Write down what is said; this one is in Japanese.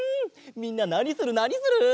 みんななにするなにする？